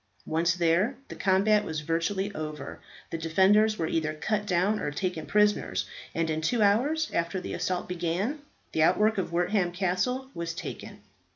Once there, the combat was virtually over. The defenders were either cut down or taken prisoners, and in two hours after the assault began, the outwork of Wortham Castle was taken.